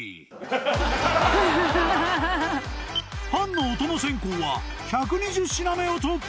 ［パンのお供選考は１２０品目を突破！］